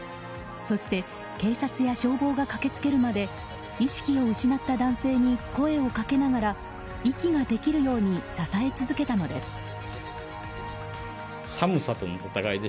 そして警察や消防が駆け付けるまで意識を失った男性に声をかけながら息ができるように支え続けたのです。